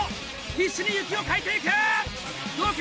必死に雪をかいていく！どうか？